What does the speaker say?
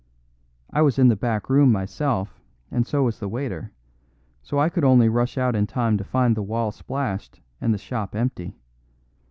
I was in the back room myself, and so was the waiter; so I could only rush out in time to find the wall splashed and the shop empty.